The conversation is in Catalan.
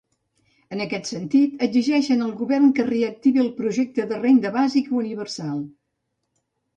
En aquest sentit, exigeixen al govern que reactivi el projecte de renda bàsica universal.